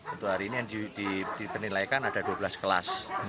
untuk hari ini yang dipenilaikan ada dua belas kelas